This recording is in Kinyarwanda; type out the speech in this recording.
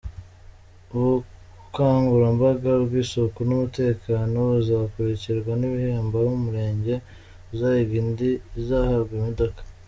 Ubukangurambaga bw’isuku n’umutekano buzakurikirwa n’ibihembo aho Umurenge uzahiga indi uzahabwa imodoka.